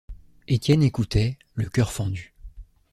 Étienne écoutait, le cœur fendu.